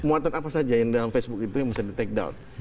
muatan apa saja yang dalam facebook itu yang bisa di take down